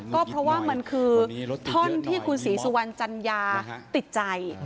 ก็เพราะว่ามันคือท่อนที่คุณศรีสุวรรณจัญญาติดใจ